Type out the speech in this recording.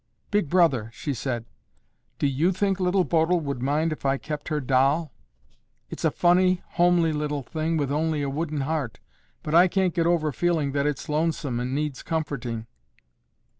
"Big Brother," she said, "do you think Little Bodil would mind if I kept her doll? It's a funny, homely little thing with only a wooden heart, but I can't get over feeling that it's lonesome and needs comforting."